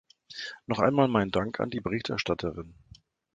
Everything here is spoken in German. Noch einmal mein Dank an die Berichterstatterin.